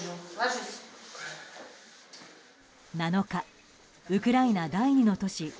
７日、ウクライナ第２の都市